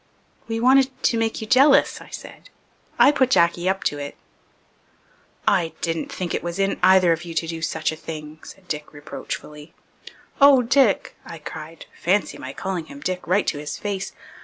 "We wanted to make you jealous," I said. "I put Jacky up to it." "I didn't think it was in either of you to do such a thing," said Dick reproachfully. "Oh, Dick," I cried fancy my calling him Dick right to his face!